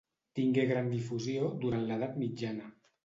Tingué gran difusió durant l'edat mitjana.